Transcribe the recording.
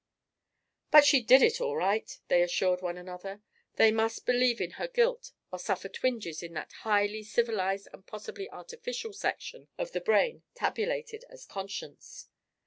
"But she did it all right," they assured one another. They must believe in her guilt or suffer twinges in that highly civilised and possibly artificial section of the brain tabulated as conscience.